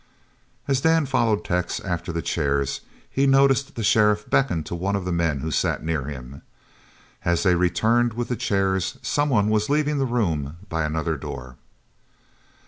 As Dan followed Tex after the chairs he noticed the sheriff beckon to one of the men who sat near him. As they returned with the chairs someone was leaving the room by another door.